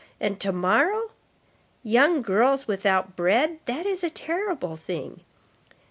And tomorrow? Young girls without bread—that is a terrible thing.